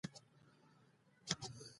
هغه د هند له قوتونو سره لاس یو کړي.